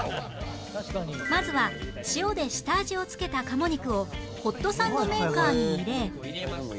まずは塩で下味を付けた鴨肉をホットサンドメーカーに入れ